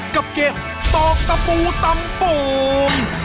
กับเกมตอกตะปูตำโป่ง